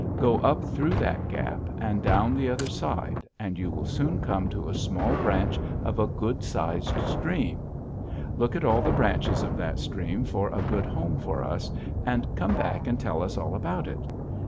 Go up through that gap, and down the other side, and you will soon come to a small branch of a good sized stream; look at all the branches of that stream for a good home for us, and come back and tell us all about it.